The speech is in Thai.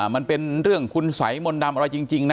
มันเป็นเรื่องคุณสัยมนต์ดำอะไรจริงนะ